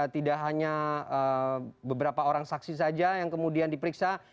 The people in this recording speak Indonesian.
tidak hanya beberapa orang saksi saja yang kemudian diperiksa